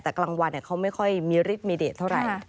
แต่กลางวันเขาไม่ค่อยมีฤทธิมีเดทเท่าไหร่